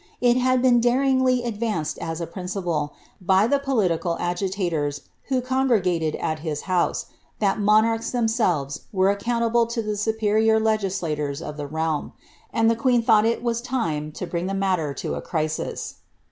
It had been daringly advanced as a principle, by the political agitators, who congregated at his house, that monarchs themselves were account able to the superior legislators of the realm : and the queen thought it was time to bring the matter to a crisis.